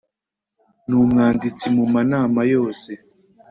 Ni umwanditsi mu ma nama yose